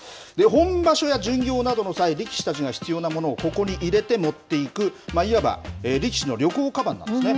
本場所や巡業などの際、力士たちが必要な物をここに入れて持っていく、いわば力士の旅行かばんなんですね。